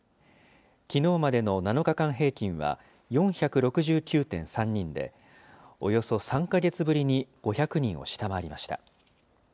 きのうまでの７日間平均は４６９．３人で、およそ３か月ぶりに５００人を下回りました。